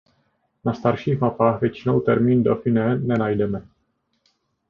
Na starších mapách většinou termín Dauphine nenajdeme.